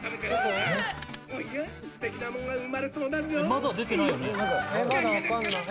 まだ出てないよね？